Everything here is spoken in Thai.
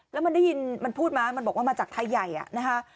แล้วมันได้ยินมันพูดมามันบอกว่ามาจากไทยใหญ่นะคะ